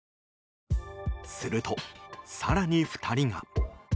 すると、更に２人が。